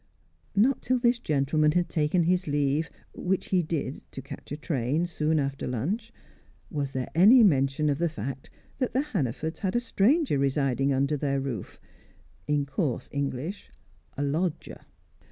Not till this gentleman had taken his leave, which he did (to catch a train) soon after lunch, was there any mention of the fact that the Hannafords had a stranger residing under their roof: in coarse English, a lodger.